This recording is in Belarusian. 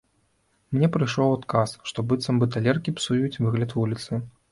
Мне прыйшоў адказ, што быццам бы талеркі псуюць выгляд вуліцы.